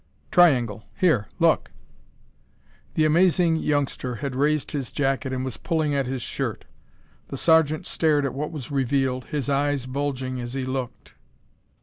"Triangle. Here look!" The amazing youngster had raised his jacket and was pulling at his shirt. The sergeant stared at what was revealed, his eyes bulging as he looked.